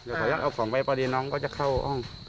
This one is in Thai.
เดี๋ยวขออนุญาตเอาของไปพอดีน้องก็จะเข้าห้อง